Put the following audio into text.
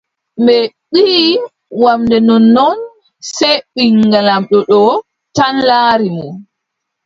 Ɓe mbiʼi wamnde nonnnon, sey ɓiŋngel laamɗo ɗo tan laari mo.